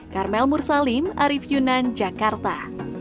karmel mursalim arief yunan jakarta